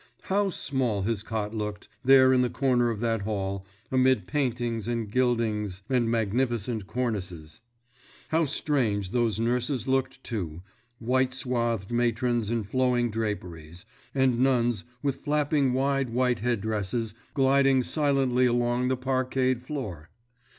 How small his cot looked, there in the corner of that hall, amid paintings and gildings and magnificent cornices! How strange those nurses looked too—white swathed matrons in flowing draperies, and nuns with flapping wide white headdresses gliding silently along the parqueted floor!